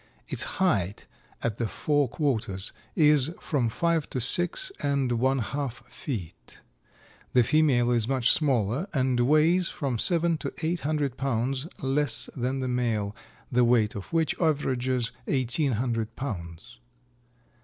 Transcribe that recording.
Its height at the fore quarters is from five to six and one half feet. The female is much smaller and weighs from seven to eight hundred pounds less than the male, the weight of which averages eighteen hundred pounds.